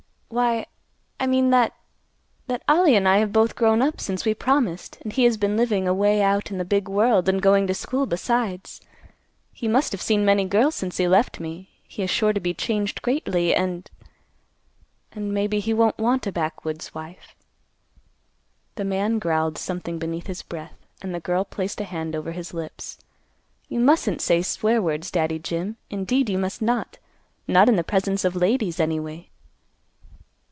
"Why, I mean that—that Ollie and I have both grown up since we promised, and he has been living away out in the big world and going to school besides. He must have seen many girls since he left me. He is sure to be changed greatly, and—and, maybe he won't want a backwoods wife." The man growled something beneath his breath, and the girl placed a hand over his lips; "You mustn't say swear words, Daddy Jim. Indeed, you must not. Not in the presence of ladies, anyway."